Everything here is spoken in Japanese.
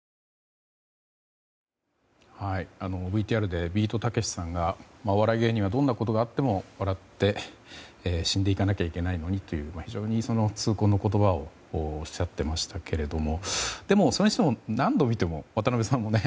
ＶＴＲでビートたけしさんがお笑い芸人はどんなことがあっても笑って死んでいかなきゃいけないのにと非常に痛恨の言葉をおっしゃっていましたけれどでも、それにしても何度見ても、渡辺さんもね。